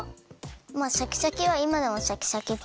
まあシャキシャキはいまでもシャキシャキっぽいけどね。